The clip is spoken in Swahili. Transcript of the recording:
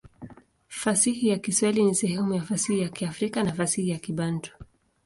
Fasihi ya Kiswahili ni sehemu ya fasihi ya Kiafrika na fasihi ya Kibantu.